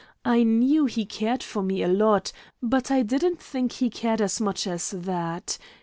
I knew he cared for me a lot, but I didn't think he cared as much as that.